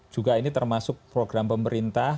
juga ini termasuk program pemerintah